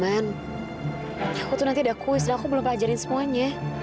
aku nanti ada kuis dan aku belum pelajarin semuanya